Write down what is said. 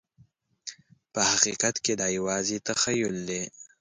په حقیقت کې دا یوازې تخیل دی.